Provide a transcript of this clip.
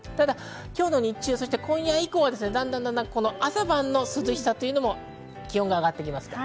今日日中、今夜以降はだんだんと朝晩の涼しさというのも気温が上がってきます。